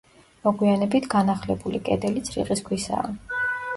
მოგვიანებით განახლებული კედელიც რიყის ქვისაა.